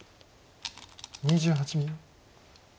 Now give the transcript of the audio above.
２８秒。